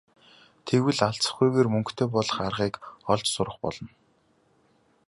Тэгвэл алзахгүйгээр мөнгөтэй болох аргыг олж сурах болно.